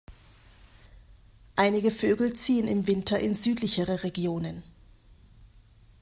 Einige Vögel ziehen im Winter in südlichere Regionen.